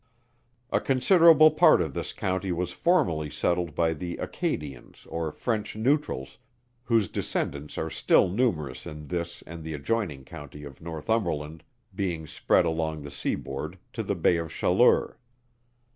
A considerable part of this county was formerly settled by the Acadians or French neutrals, whose descendants are still numerous in this and the adjoining County of Northumberland, being spread along the seaboard, to the Bay of Chaleur.